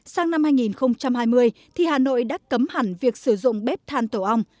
sang năm hai nghìn hai mươi thì hà nội đã cấm hẳn việc sử dụng bếp than tổ ong